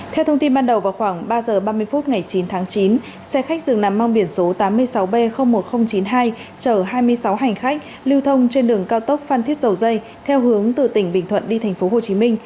theo thông tin ban đầu vào khoảng ba h ba mươi phút ngày chín tháng chín xe khách dừng nằm mang biển số tám mươi sáu b một nghìn chín mươi hai chở hai mươi sáu hành khách lưu thông trên đường cao tốc phan thiết dầu dây theo hướng từ tỉnh bình thuận đi tp hcm